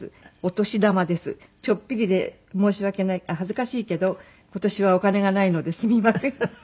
「ちょっぴりで申し訳ない恥ずかしいけど今年はお金がないのですみません」